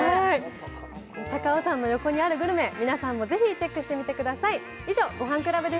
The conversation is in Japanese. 高尾山の横にあるグルメ、皆さんもぜひチェックしてみてください。